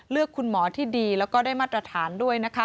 คุณหมอที่ดีแล้วก็ได้มาตรฐานด้วยนะคะ